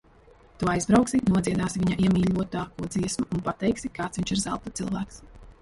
Tu aizbrauksi, nodziedāsi viņa iemīļotāko dziesmu un pateiksi, kāds viņš ir zelta cilvēks.